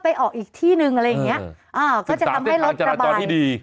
ออกอีกที่หนึ่งอะไรอย่างเงี้ยอ่าก็จะทำให้รถกระบาดที่ดี